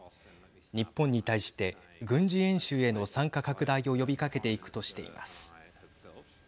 日本に対して軍事演習への参加拡大を呼びかけていくとしています。